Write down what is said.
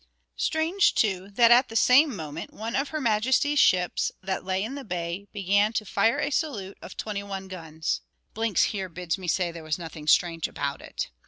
Strange, too, that at the same moment one of Her Majesty's ships, that lay in the bay, began to fire a salute of twenty one guns. [Blinks here bids me say there was nothing strange about it.